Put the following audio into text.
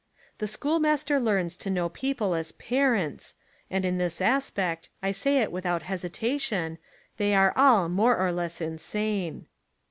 The schoolmaster learns to know people as "parents" and in this aspect, I say It without hesitation, they are all more or less insane.